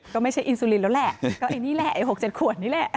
ก็ไม่ใช่อินซูลินแล้วแหละก็ไอ้นี่แหละไอ้๖๗ขวดนี่แหละ